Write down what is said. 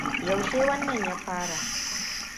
Yaushe wannan ya fara?